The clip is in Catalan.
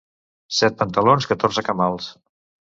Set pantalons, catorze camals.